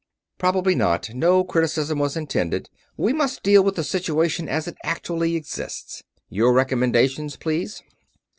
"Probably not. No criticism was intended; we must deal with the situation as it actually exists. Your recommendations, please?"